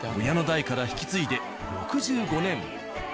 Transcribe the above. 親の代から引き継いで６５年。